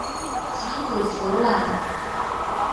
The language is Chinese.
其子苻朗。